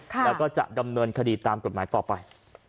แล้วก็จะดำเนินคดีตามกฎหมายต่อไป